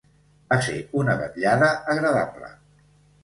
Va ser una vetllada agradable.